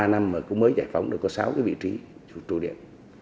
ba năm mới giải phóng có sáu vị trí trụ điện